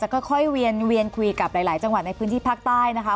ค่อยเวียนคุยกับหลายจังหวัดในพื้นที่ภาคใต้นะคะ